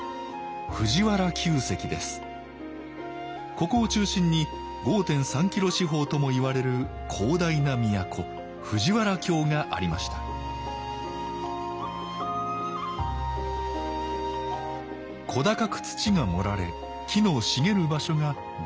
ここを中心に５．３キロ四方ともいわれる広大な都藤原京がありました小高く土が盛られ木の茂る場所が大極殿院。